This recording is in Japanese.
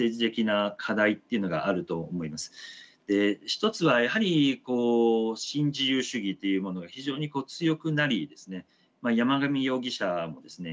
一つはやはり新自由主義というものが非常に強くなり山上容疑者もですね